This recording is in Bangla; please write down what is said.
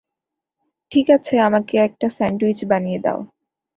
ঠিক আছে, আমাকে একটা স্যান্ডউইচ বানিয়ে দাও।